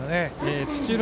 土浦